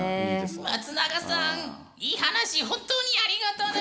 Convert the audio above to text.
松永さんいい話本当にありがとぬ！